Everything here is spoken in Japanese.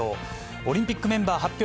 オリンピックメンバー発表